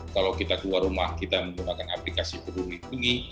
kalau kita keluar rumah kita menggunakan aplikasi berhubungi